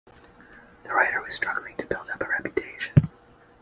The writer was struggling to build up a reputation.